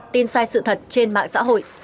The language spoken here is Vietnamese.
tin sai sự thật trên mạng xã hội